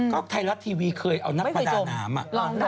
ก็ไทยรัฐทีวีเคยเอานักประดาน้ำ